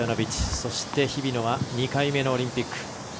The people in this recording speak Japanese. そして日比野は２回目のオリンピック。